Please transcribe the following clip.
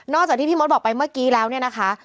จากที่พี่มดบอกไปเมื่อกี้แล้วเนี่ยนะคะ